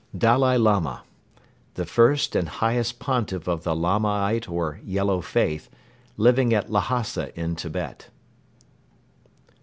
Dalai Lama. The first and highest Pontiff of the Lamaite or "Yellow Faith," living at Lhasa in Tibet.